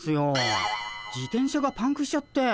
自転車がパンクしちゃって。